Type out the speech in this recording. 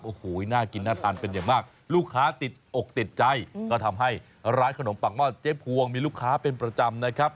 โอ้โหน่ากินน่าทานเป็นอย่างมากลูกค้าติดอกติดใจก็ทำให้ร้านขนมปากหม้อเจ๊พวงมีลูกค้าเป็นประจำนะครับ